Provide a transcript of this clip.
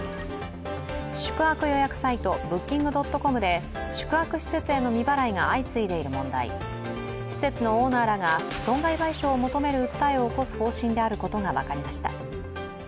宿泊予約サイト、ブッキングドットコムで宿泊施設への未払いが相次いでいる問題施設のオーナーらが、近く、損害賠償を求める訴えを起こす方針であることが分かりました。